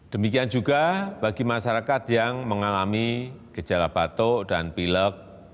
demikian juga bagi masyarakat yang mengalami gejala batuk dan pilek